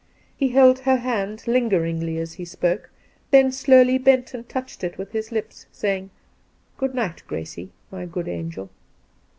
He held her hand lingeringly as he spoke, then slowly bent and touched it with his lips, saying, ' Good night, Gracie, my good angel